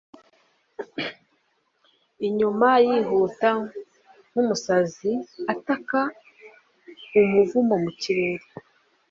Inyuma, yihuta nk'umusazi, ataka umuvumo mu kirere,